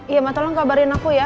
iya tolong kabarin aku ya